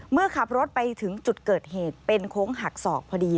เมื่อขับรถไปถึงจุดเกิดเหตุเป็นโค้งหักศอกพอดี